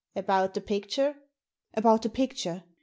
"About the picture?" "About the picture.